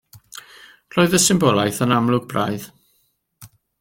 Roedd y symbolaeth yn amlwg braidd.